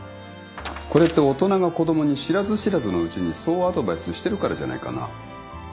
これって大人が子供に知らず知らずのうちにそうアドバイスしてるからじゃないかな。